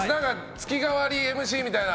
月替わりＭＣみたいな。